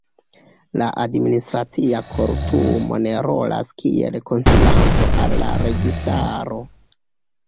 La Administracia Kortumo ne rolas kiel konsilanto al la registaro.